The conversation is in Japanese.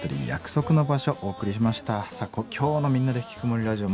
さあ今日の「みんなでひきこもりラジオ」